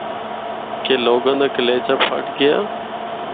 کہ لوگاں دا کلیجہ پھٹ گیا۔